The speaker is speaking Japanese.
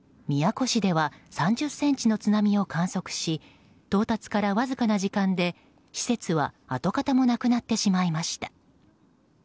宮古市では３０ｃｍの津波を観測し到達からわずかな時間で施設は跡形もなくなってしまいました。